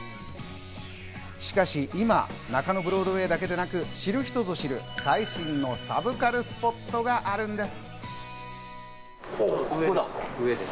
しかし今、中野ブロードウェイだけでなく、知る人ぞ知る、最新のサブカルスポットがあるんです。